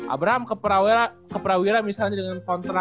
abraham keperawiran misalnya dengan kontrak